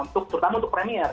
terutama untuk premiere